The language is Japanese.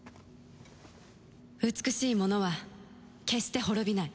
美しいものは決して滅びない。